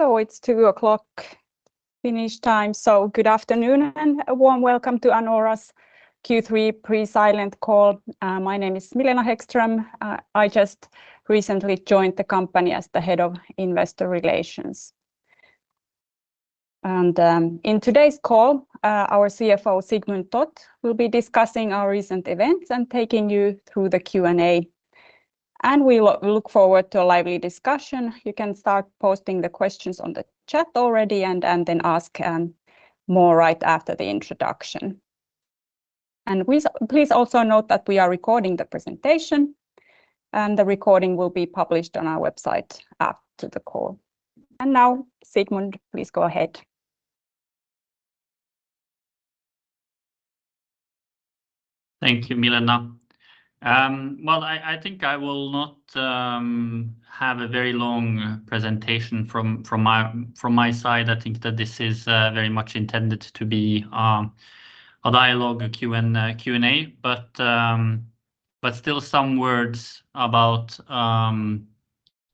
So it's 2:00 P.M. Finnish time. So good afternoon, and a warm welcome to Anora's Q3 pre-silent call. My name is Milena Hæggström. I just recently joined the company as the Head of Investor Relations. And in today's call, our CFO, Sigmund Toth, will be discussing our recent events and taking you through the Q&A. And we look forward to a lively discussion. You can start posting the questions on the chat already, and then ask more right after the introduction. And please also note that we are recording the presentation, and the recording will be published on our website after the call. And now, Sigmund, please go ahead. Thank you, Milena. Well, I think I will not have a very long presentation from my side. I think that this is very much intended to be a dialogue, a Q&A. But still some words about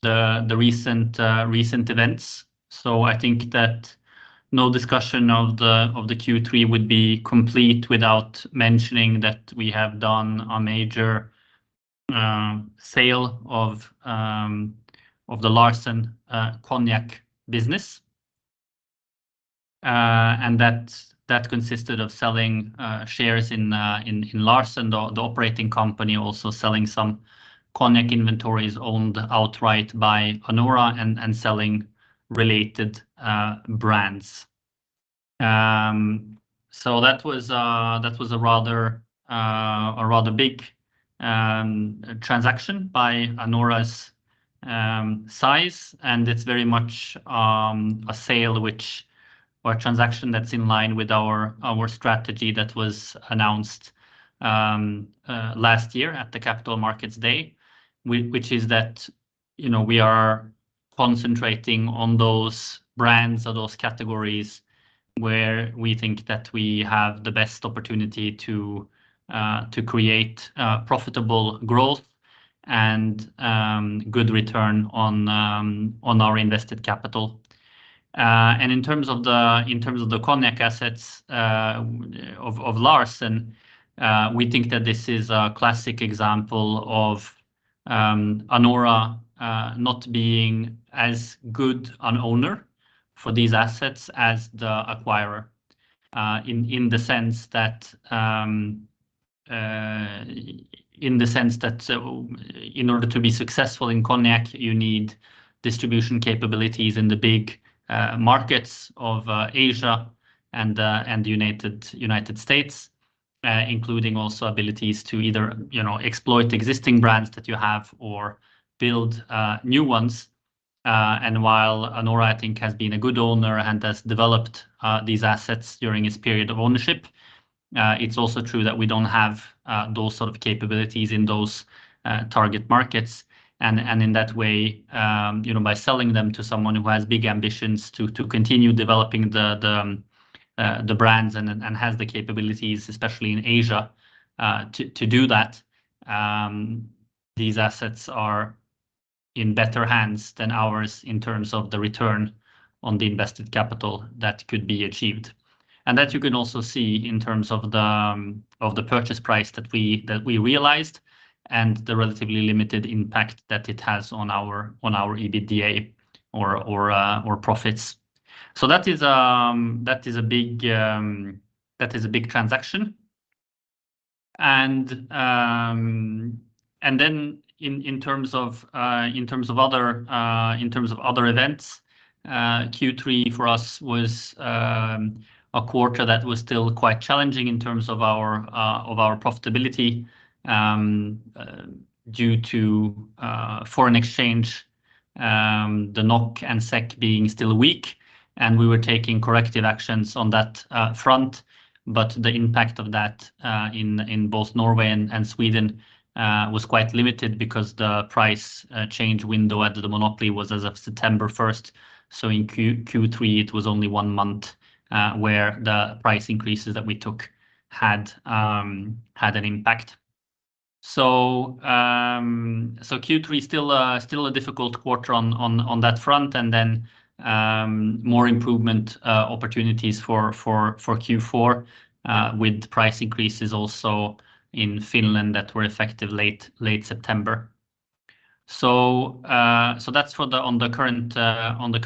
the recent events. So I think that no discussion of the Q3 would be complete without mentioning that we have done a major sale of the Larsen Cognac business. And that consisted of selling shares in Larsen, the operating company, also selling some cognac inventories owned outright by Anora and selling related brands. So that was a rather big transaction by Anora's size, and it's very much a sale which- or a transaction that's in line with our strategy that was announced last year at the Capital Markets Day, which is that, you know, we are concentrating on those brands or those categories where we think that we have the best opportunity to create profitable growth and good return on our invested capital. And in terms of the cognac assets of Larsen, we think that this is a classic example of Anora not being as good an owner for these assets as the acquirer. In the sense that... In the sense that, in order to be successful in cognac, you need distribution capabilities in the big markets of Asia and United States, including also abilities to either, you know, exploit existing brands that you have or build new ones. And while Anora, I think, has been a good owner and has developed these assets during its period of ownership, it's also true that we don't have those sort of capabilities in those target markets. And in that way, you know, by selling them to someone who has big ambitions to continue developing the brands and has the capabilities, especially in Asia, to do that, these assets are in better hands than ours in terms of the return on the invested capital that could be achieved. That you can also see in terms of the purchase price that we realized, and the relatively limited impact that it has on our EBITDA or profits. That is a big transaction. Then in terms of other events, Q3 for us was a quarter that was still quite challenging in terms of our profitability due to foreign exchange, the NOK and SEK being still weak, and we were taking corrective actions on that front, but the impact of that in both Norway and Sweden was quite limited because the price change window at the Monopoly was as of September first. So in Q3, it was only one month where the price increases that we took had had an impact. So Q3 still a difficult quarter on that front, and then more improvement opportunities for Q4 with price increases also in Finland that were effective late September. So that's on the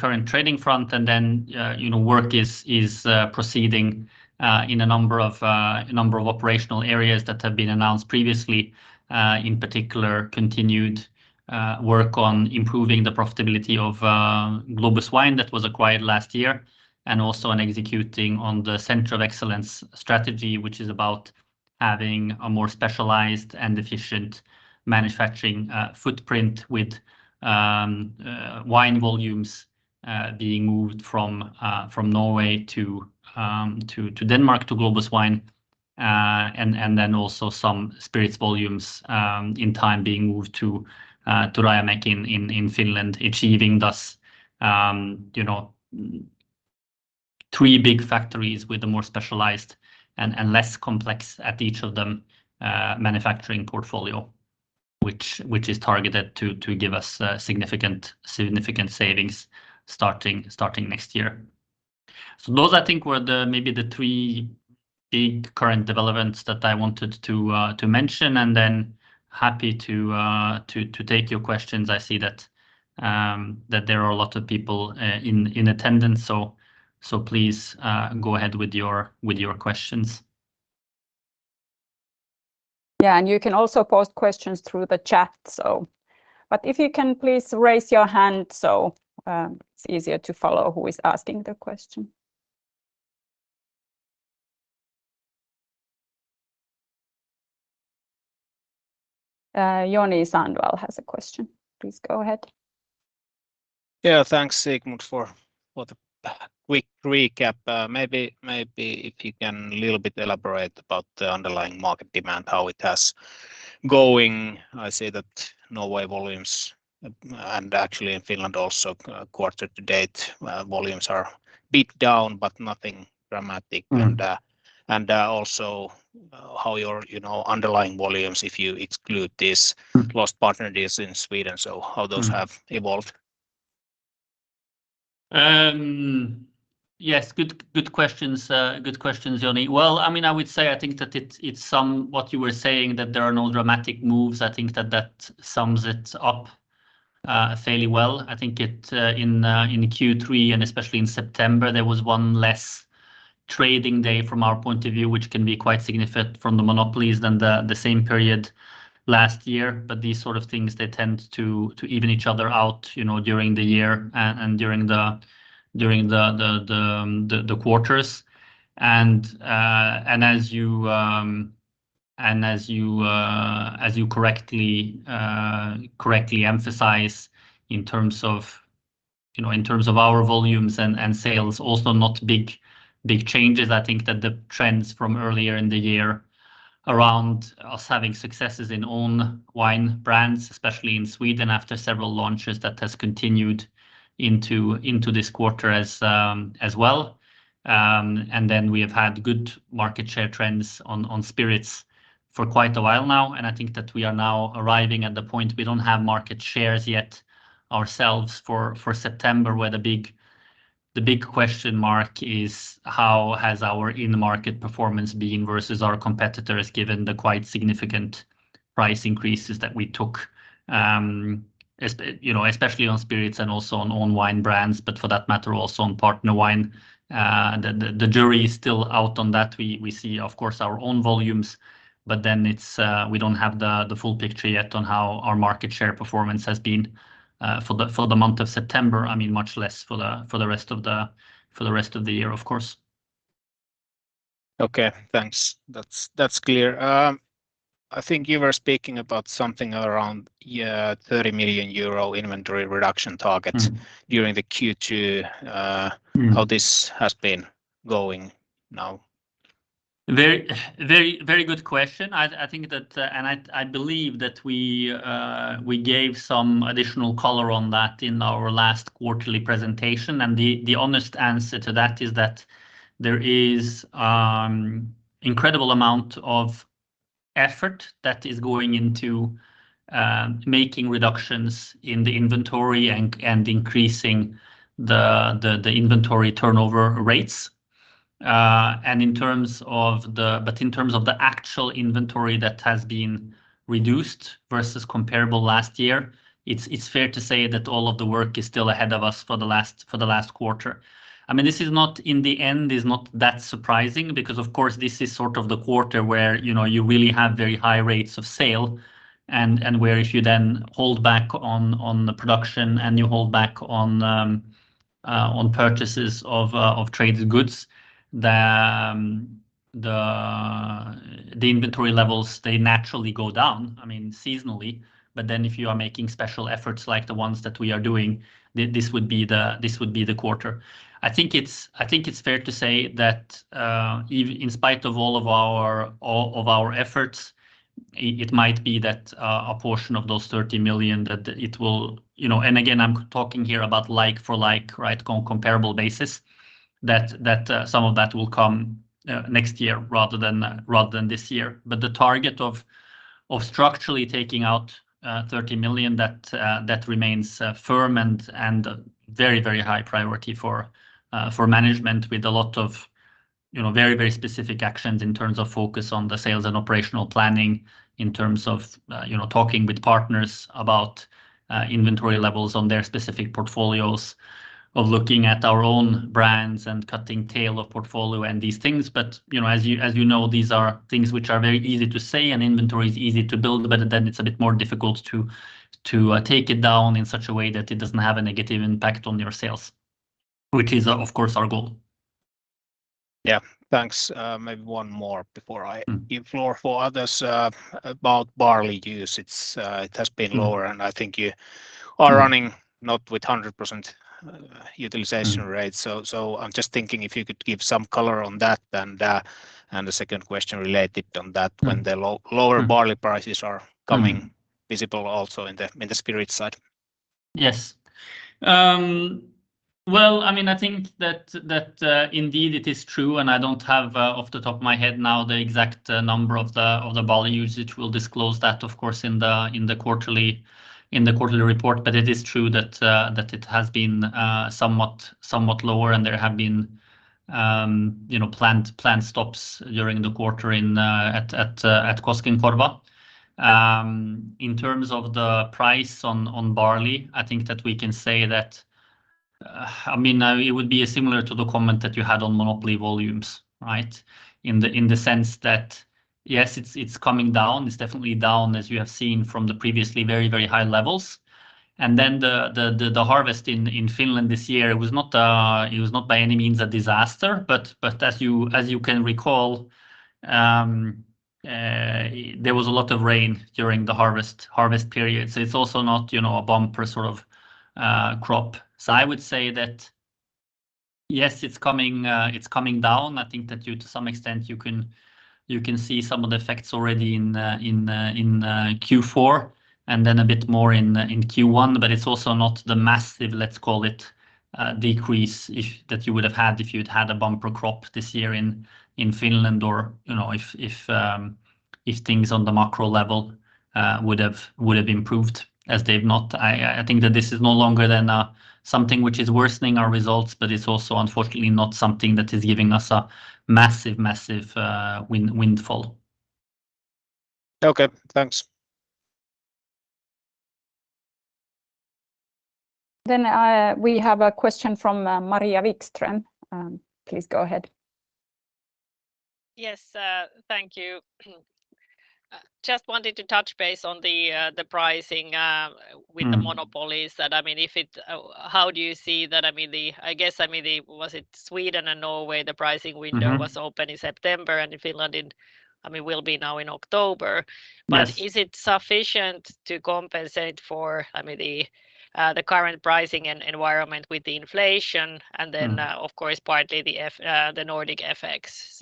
current trading front, and then you know work is proceeding in a number of operational areas that have been announced previously. In particular, continued work on improving the profitability of Globus Wine, that was acquired last year, and also on executing on the Center of Excellence strategy, which is about having a more specialized and efficient manufacturing footprint with wine volumes being moved from Norway to Denmark, to Globus Wine. And then also some spirits volumes in time being moved to Rajamäki in Finland, achieving thus, you know, three big factories with a more specialized and less complex at each of them manufacturing portfolio, which is targeted to give us significant savings starting next year. So those, I think, were the maybe the three big current developments that I wanted to mention, and then happy to take your questions. I see that there are a lot of people in attendance, so please go ahead with your questions. Yeah, and you can also post questions through the chat, so. But if you can please raise your hand so, it's easier to follow who is asking the question. Joni Sandvall has a question. Please go ahead. Yeah, thanks, Sigmund, for the quick recap. Maybe if you can a little bit elaborate about the underlying market demand, how it has going. I see that Norway volumes, and actually in Finland also, quarter to date, volumes are bit down, but nothing dramatic. Mm. And also, how your, you know, underlying volumes, if you exclude this- Mm... lost partnerships in Sweden, so- Mm... how those have evolved? Yes, good, good questions, good questions, Johnny. Well, I mean, I would say I think that it's somewhat what you were saying, that there are no dramatic moves. I think that that sums it up fairly well. I think in Q3, and especially in September, there was one less trading day from our point of view, which can be quite significant from the monopolies than the same period last year. But these sort of things, they tend to even each other out, you know, during the year and during the quarters. And as you correctly emphasize in terms of, you know, in terms of our volumes and sales, also not big, big changes. I think that the trends from earlier in the year around us having successes in own wine brands, especially in Sweden, after several launches, that has continued into this quarter as well. We have had good market share trends on spirits for quite a while now, and I think that we are now arriving at the point we don't have market shares yet ourselves for September, where the big question mark is: how has our in-market performance been versus our competitors, given the quite significant price increases that we took, you know, especially on spirits and also on own wine brands, but for that matter, also on partner wine? The jury is still out on that. We see, of course, our own volumes, but then it's we don't have the full picture yet on how our market share performance has been for the month of September. I mean, much less for the rest of the year, of course. Okay, thanks. That's, that's clear. I think you were speaking about something around, yeah, 30 million euro inventory reduction target- Mm... during the Q2. Mm... how this has been going now? Very, very, very good question. I think that... And I believe that we gave some additional color on that in our last quarterly presentation. And the honest answer to that is that there is incredible amount of effort that is going into making reductions in the inventory and increasing the inventory turnover rates. And in terms of but in terms of the actual inventory that has been reduced versus comparable last year, it's fair to say that all of the work is still ahead of us for the last quarter. I mean, this is not, in the end, is not that surprising, because, of course, this is sort of the quarter where, you know, you really have very high rates of sale and, and where if you then hold back on, on the production and you hold back on, on purchases of, of traded goods, the, the, the inventory levels, they naturally go down, I mean, seasonally. But then if you are making special efforts like the ones that we are doing, this would be the, this would be the quarter. I think it's, I think it's fair to say that, in spite of all of our, all of our efforts, it, it might be that, a portion of those 30 million, that it will... You know, and again, I'm talking here about like for like, right, comparable basis, that, that, some of that will come, next year rather than, rather than this year. But the target of, of structurally taking out, 30 million, that, that remains, firm and, and very, very high priority for, for management with a lot of, you know, very, very specific actions in terms of focus on the sales and operational planning, in terms of, you know, talking with partners about, inventory levels on their specific portfolios, of looking at our own brands and cutting tail of portfolio and these things. You know, as you know, these are things which are very easy to say, and inventory is easy to build, but then it's a bit more difficult to take it down in such a way that it doesn't have a negative impact on your sales, which is, of course, our goal. Yeah. Thanks. Maybe one more before I give floor for others. About barley use, it's, it has been lower- Mm... and I think you are running not with 100% utilization rate. Mm. So, I'm just thinking if you could give some color on that, then, and the second question related on that... Mm... when the lower barley prices are coming- Mm... visible also in the spirit side.... Yes. Well, I mean, I think that indeed it is true, and I don't have off the top of my head now the exact number of the volumes, which we'll disclose that, of course, in the quarterly report. But it is true that that it has been somewhat lower, and there have been, you know, plant stops during the quarter at Koskenkorva. In terms of the price on barley, I think that we can say that, I mean, it would be similar to the comment that you had on Monopoly volumes, right? In the sense that, yes, it's coming down. It's definitely down, as you have seen from the previously very, very high levels. And then the harvest in Finland this year, it was not by any means a disaster, but as you can recall, there was a lot of rain during the harvest period. So it's also not, you know, a bumper sort of crop. So I would say that, yes, it's coming down. I think that to some extent, you can see some of the effects already in Q4, and then a bit more in Q1, but it's also not the massive, let's call it, decrease that you would have had if you'd had a bumper crop this year in Finland, or, you know, if things on the macro level would have improved, as they've not. I think that this is no longer than something which is worsening our results, but it's also, unfortunately, not something that is giving us a massive, massive windfall. Okay, thanks. Then, we have a question from Maria Wikström. Please go ahead. Yes, thank you. Just wanted to touch base on the pricing— Mm-hmm... with the monopolies. That I mean, if it, How do you see that, I mean, the—I guess, I mean, the, was it Sweden and Norway, the pricing window- Mm-hmm... was open in September, and in Finland in, I mean, will be now in October. Yes. But is it sufficient to compensate for, I mean, the current pricing environment with the inflation- Mm... and then, of course, partly the Nordic FX.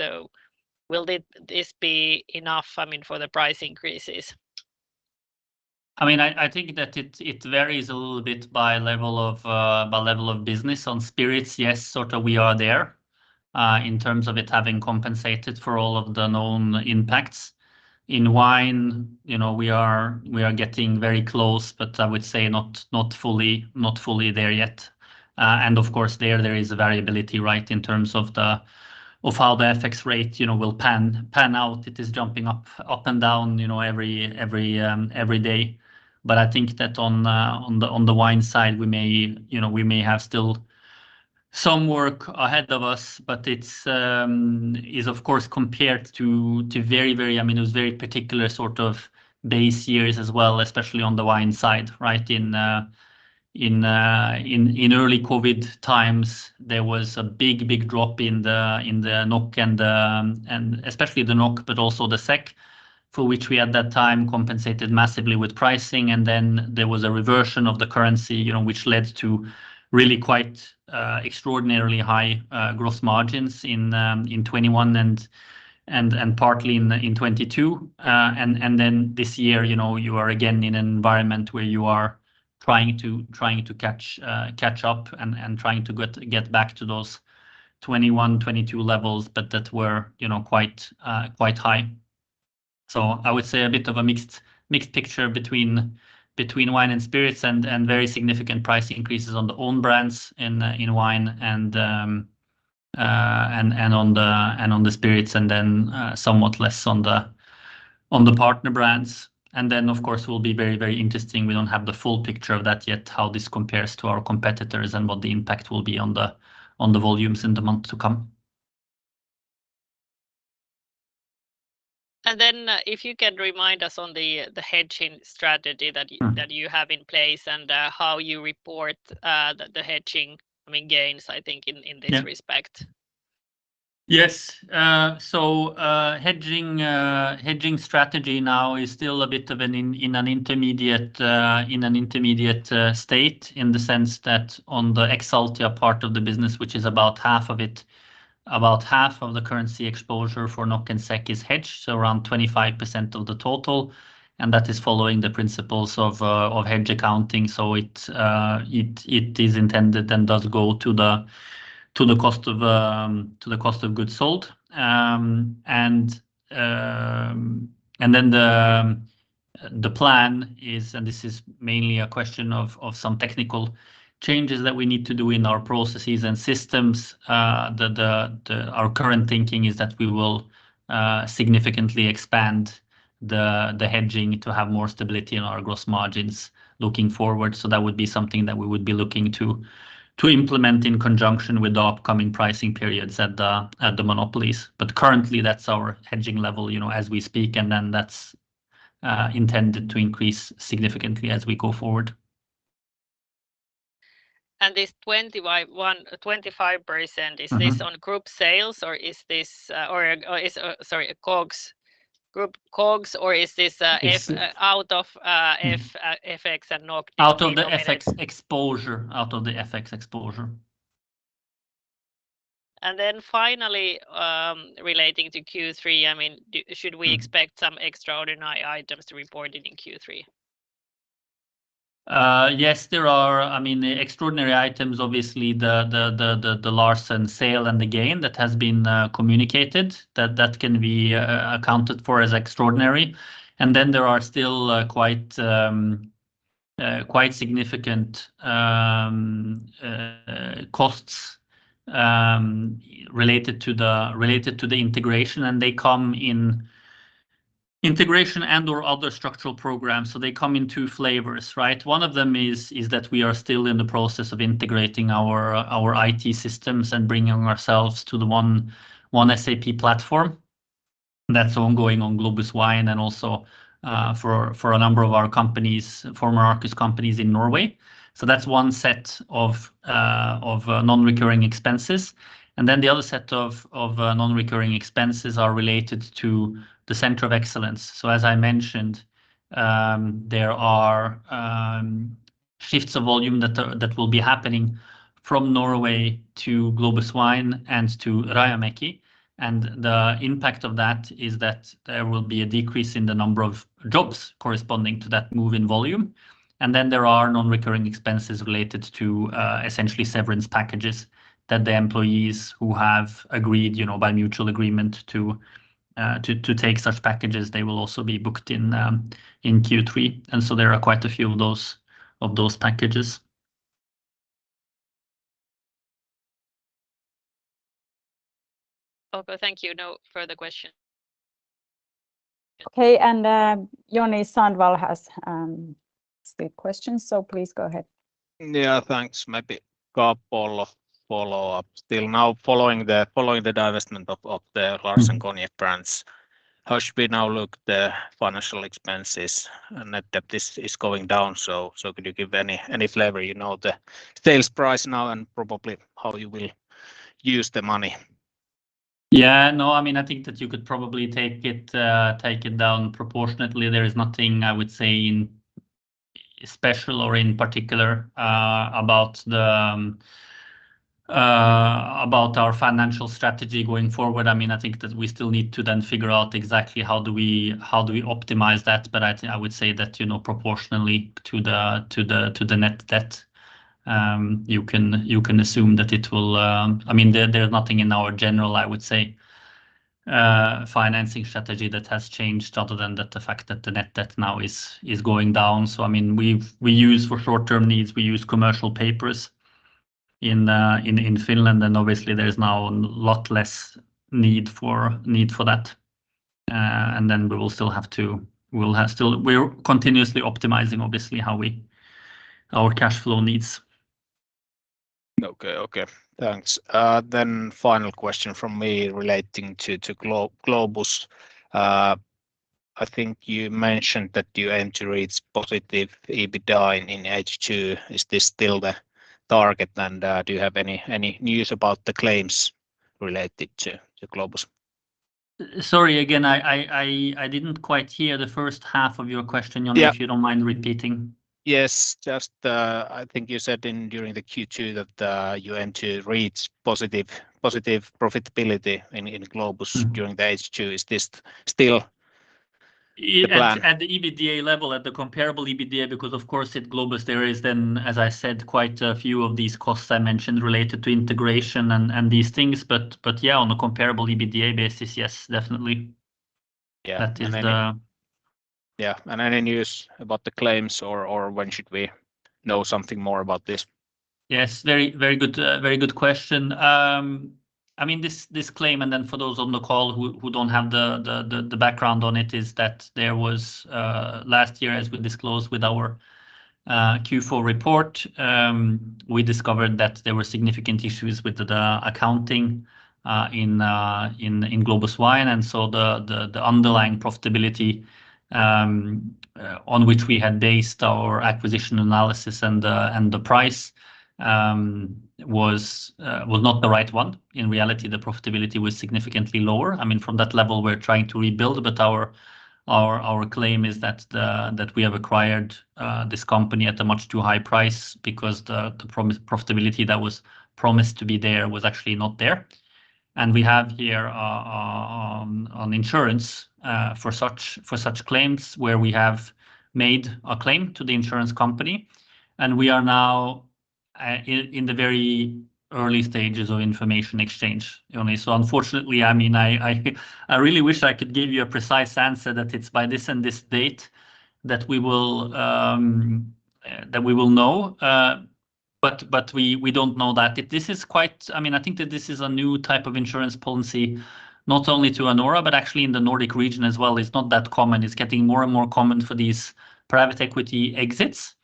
So will this be enough, I mean, for the price increases? I mean, I think that it varies a little bit by level of business. On spirits, yes, sort of we are there, in terms of it having compensated for all of the known impacts. In wine, you know, we are getting very close, but I would say not fully, not fully there yet. And of course, there is a variability, right, in terms of how the FX rate, you know, will pan out. It is jumping up and down, you know, every day. But I think that on the wine side, we may, you know, we may have still some work ahead of us, but it's, of course, compared to very, very, I mean, it was very particular sort of base years as well, especially on the wine side, right? In early COVID times, there was a big, big drop in the NOK and the, and especially the NOK, but also the SEK, for which we at that time compensated massively with pricing, and then there was a reversion of the currency, you know, which led to really quite extraordinarily high gross margins in 2021 and, and partly in 2022. And then this year, you know, you are again in an environment where you are trying to catch up and trying to get back to those 2021, 2022 levels, but that were, you know, quite high. So I would say a bit of a mixed picture between wine and spirits and very significant price increases on the own brands in wine and on the spirits, and then somewhat less on the partner brands. And then, of course, it will be very, very interesting. We don't have the full picture of that yet, how this compares to our competitors and what the impact will be on the volumes in the months to come. And then if you can remind us on the hedging strategy that- Mm... that you have in place and, how you report, the hedging, I mean, gains, I think, in, in- Yeah... this respect. Yes. So, hedging strategy now is still a bit of an in, in an intermediate state, in the sense that on the ex-Altia part of the business, which is about half of it, about half of the currency exposure for NOK and SEK is hedged, so around 25% of the total, and that is following the principles of hedge accounting. So it is intended and does go to the cost of goods sold. And then the plan is, and this is mainly a question of some technical changes that we need to do in our processes and systems. Our current thinking is that we will significantly expand the hedging to have more stability in our gross margins looking forward. So that would be something that we would be looking to implement in conjunction with the upcoming pricing periods at the monopolies. But currently, that's our hedging level, you know, as we speak, and then that's intended to increase significantly as we go forward. This 21-25%. Mm-hmm... is this on group sales, or is this, sorry, COGS, group COGS, or is this, It's-... F- out of, F- Mm-hmm... FX and NOK? Out of the FX exposure. Out of the FX exposure.... And then finally, relating to Q3, I mean, should we expect some extraordinary items to be reported in Q3? Yes, there are, I mean, the extraordinary items, obviously, the Larsen sale and the gain that has been communicated, that can be accounted for as extraordinary. And then there are still quite significant costs related to the integration, and they come in integration and/or other structural programs. So they come in two flavors, right? One of them is that we are still in the process of integrating our IT systems and bringing ourselves to the one SAP platform. That's ongoing on Globus Wine, and also for a number of our companies, former Arcus companies in Norway. So that's one set of non-recurring expenses. And then the other set of non-recurring expenses are related to the Center of Excellence. As I mentioned, there are shifts of volume that are... that will be happening from Norway to Globus Wine and to Rajamäki. The impact of that is that there will be a decrease in the number of jobs corresponding to that move in volume. There are non-recurring expenses related to, essentially, severance packages that the employees who have agreed, you know, by mutual agreement to take such packages, they will also be booked in Q3. There are quite a few of those packages. Okay. Thank you. No further question. Okay, and Joni Sandvall has still questions, so please go ahead. Yeah, thanks. Maybe couple follow-up. Still now following the divestment of the Larsen Cognac brands, how should we now look the financial expenses? Net debt is going down, so could you give any flavor, you know, the sales price now and probably how you will use the money? Yeah, no, I mean, I think that you could probably take it, take it down proportionately. There is nothing I would say in special or in particular about the, about our financial strategy going forward. I mean, I think that we still need to then figure out exactly how do we, how do we optimize that. But I would say that, you know, proportionally to the, to the, to the net debt, you can, you can assume that it will, I mean, there's nothing in our general, I would say, financing strategy that has changed, other than the fact that the net debt now is going down. I mean, we use for short-term needs, we use commercial paper in Finland, and obviously there is now a lot less need for that. And then we will still have to... we're continuously optimizing, obviously, how we, our cash flow needs. Okay. Okay, thanks. Then final question from me relating to Globus. I think you mentioned that you aim to reach positive EBITDA in H2. Is this still the target? And do you have any news about the claims related to Globus? Sorry, again, I didn't quite hear the first half of your question, Joni. Yeah... if you don't mind repeating. Yes. Just, I think you said in during the Q2 that, you aim to reach positive, positive profitability in, in Globus- Mm-hmm... during the H2. Is this still the plan? At the EBITDA level, at the Comparable EBITDA, because of course, at Globus, there is then, as I said, quite a few of these costs I mentioned related to integration and these things. But yeah, on a Comparable EBITDA basis, yes, definitely. Yeah. That is the- Yeah. And any news about the claims or when should we know something more about this? Yes, very, very good, very good question. I mean, this claim, and then for those on the call who don't have the background on it, is that there was, last year, as we disclosed with our Q4 report, we discovered that there were significant issues with the accounting in Globus Wine. And so the underlying profitability on which we had based our acquisition analysis and the price was not the right one. In reality, the profitability was significantly lower. I mean, from that level, we're trying to rebuild, but our claim is that we have acquired this company at a much too high price because the profitability that was promised to be there was actually not there. We have here an insurance for such claims, where we have made a claim to the insurance company, and we are now in the very early stages of information exchange, Joni. So unfortunately, I mean, I really wish I could give you a precise answer that it's by this and this date that we will know, but we don't know that. This is quite... I mean, I think that this is a new type of insurance policy, not only to Anora, but actually in the Nordic region as well. It's not that common. It's getting more and more common for these private equity exits.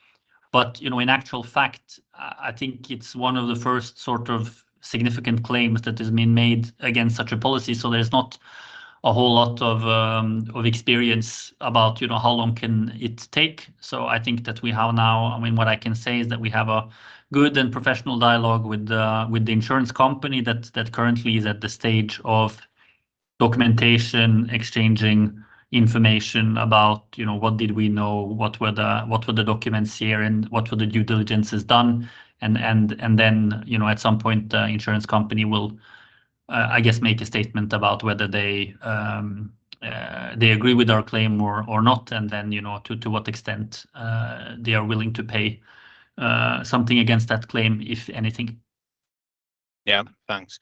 In actual fact, I think it's one of the first sort of significant claims that has been made against such a policy, so there's not a whole lot of, you know, experience about, you know, how long can it take. I think that we have now... I mean, what I can say is that we have a good and professional dialogue with the insurance company, that currently is at the stage of documentation, exchanging information about, you know, what did we know? What were the documents here, and what were the due diligences done? And then, you know, at some point, the insurance company will, I guess, make a statement about whether they agree with our claim or not, and then, you know, to what extent they are willing to pay something against that claim, if anything. Yeah. Thanks.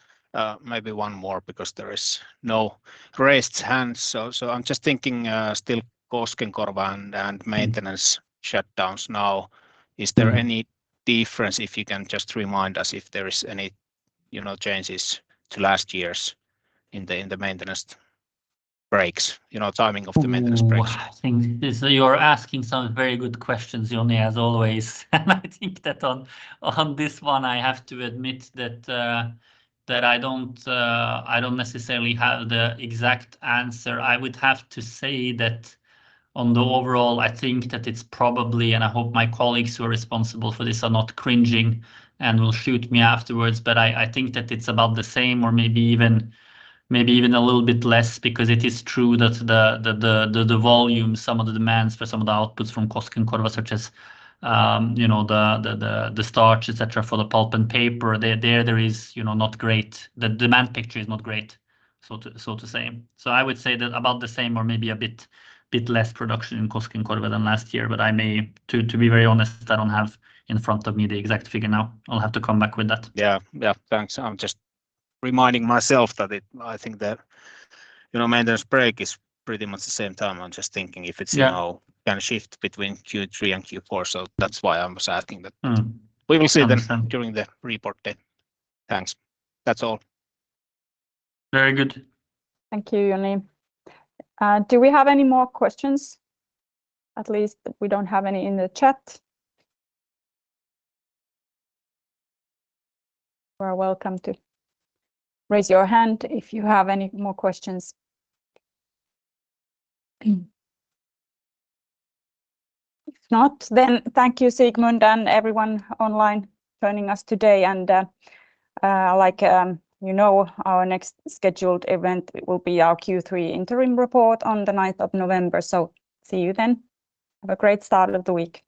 Maybe one more because there is no raised hands. So, I'm just thinking, still Koskenkorva and maintenance shutdowns now. Is there any difference, if you can just remind us if there is any, you know, changes to last year's in the maintenance breaks, you know, timing of the maintenance breaks? You're asking some very good questions, Joni, as always, and I think that on this one, I have to admit that I don't necessarily have the exact answer. I would have to say that overall, I think that it's probably, and I hope my colleagues who are responsible for this are not cringing and will shoot me afterwards, but I think that it's about the same or maybe even a little bit less, because it is true that the volume, some of the demands for some of the outputs from Koskenkorva, such as, you know, the starch, et cetera, for the pulp and paper, there is, you know, not great. The demand picture is not great, so to say. So I would say that about the same or maybe a bit less production in Koskenkorva than last year, but to be very honest, I don't have in front of me the exact figure now. I'll have to come back with that. Yeah. Yeah. Thanks. I'm just reminding myself that it... I think that, you know, maintenance break is pretty much the same time. I'm just thinking if it's- Yeah... now gonna shift between Q3 and Q4, so that's why I'm just asking that. Mm. We will see then- Understand... during the report then. Thanks. That's all. Very good. Thank you, Johnny. Do we have any more questions? At least we don't have any in the chat. You are welcome to raise your hand if you have any more questions. If not, then thank you, Sigmund, and everyone online joining us today. Like, you know, our next scheduled event will be our Q3 interim report on the ninth of November. So see you then. Have a great start of the week.